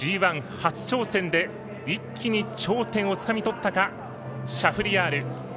初挑戦で一気に頂点をつかみとったか、シャフリヤール。